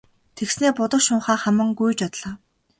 Тэгснээ будаг шунхаа хаман гүйж одлоо.